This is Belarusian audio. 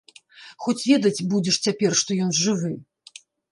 Хоць ведаць будзеш цяпер, што ён жывы.